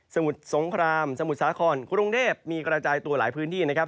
มุสงครามสมุทรสาครกรุงเทพมีกระจายตัวหลายพื้นที่นะครับ